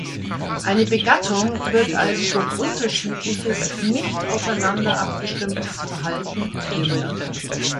Eine Begattung wird also durch unterschiedliches, nicht aufeinander abgestimmtes Verhalten verhindert.